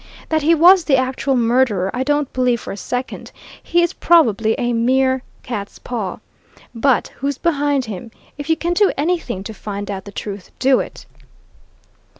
That he was the actual murderer I don't believe for a second he is probably a mere cat's paw. But who's behind him? If you can do anything to find out the truth, do it!"